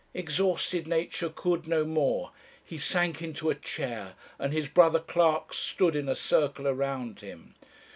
"Exhausted nature could no more. He sank into a chair, and his brother clerks stood in a circle around him.